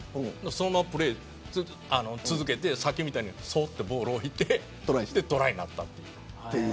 そのままプレー続けてさっきみたいにそっとボール置いてトライになったという。